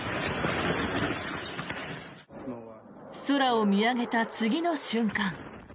空を見上げた次の瞬間